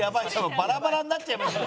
バラバラになっちゃいますよ。